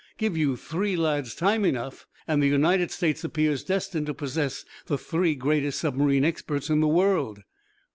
Give you three lads time enough, and the United States appears destined to possess the three greatest submarine experts in the world."